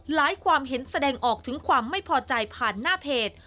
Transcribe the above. ความเห็นแสดงออกถึงความไม่พอใจผ่านหน้าเพจ